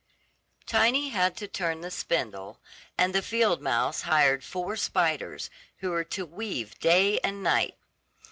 Tiny had to turn the spindle, and the field mouse hired four spiders, who were to weave day and night.